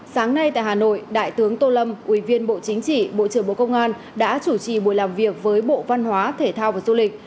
sáng nay tại hà nội đại tướng tô lâm ubtc bộ trưởng bộ công an đã chủ trì buổi làm việc với bộ văn hóa thể thao và du lịch